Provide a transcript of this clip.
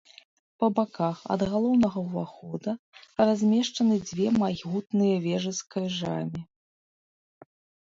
Па баках ад галоўнага ўвахода размешчаны дзве магутныя вежы з крыжамі.